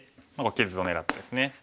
傷を狙ってですね